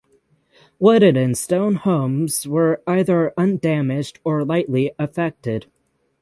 Wooden and stone homes were either undamaged or lightly affected.